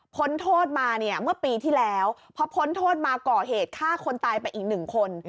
พ้นโทษมาเนี่ยเมื่อปีที่แล้วพอพ้นโทษมาก่อเหตุฆ่าคนตายไปอีกหนึ่งคน